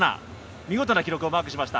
見事な記録をマークしました。